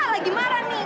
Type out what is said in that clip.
kenapa lagi marah nih